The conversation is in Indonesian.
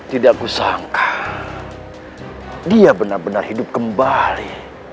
tidak kusangka dia benar benar hidup kembali